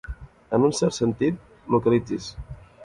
En un cert sentit, localitzis.